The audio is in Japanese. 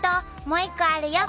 もう一個あるよ。